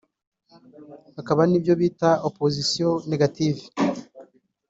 Hakaba n’ibyo bita Opposition négative